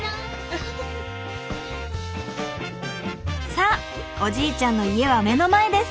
さあおじいちゃんの家は目の前です。